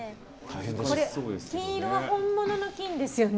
金色は本物の金ですよね？